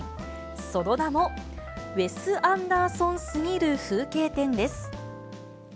その名も、ウェス・アンダーソンすぎる風景展です。